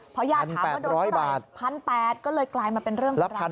พอยากถามว่าดูเสร็จ๑๘๐๐บาท